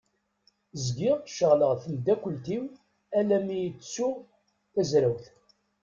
Zgiɣ ceɣleɣ d temddakelt-iw alammi i ttuɣ tazrawt.